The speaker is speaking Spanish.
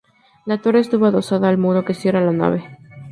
La torre estuvo adosada al muro que cierra la nave.